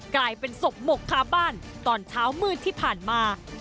กลายเป็นศพหมกคาบ้านตอนเช้ามืดที่ผ่านมา